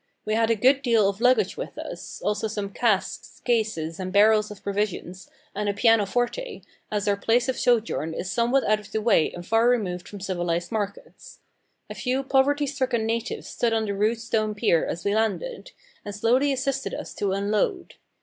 We had a good deal of luggage with us, also some casks, cases, and barrels of provisions, and a piano forte, as our place of sojourn is somewhat out of the way and far removed from civilised markets. A few poverty stricken natives stood on the rude stone pier as we landed, and slowly assisted us to unload.